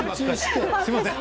すみません。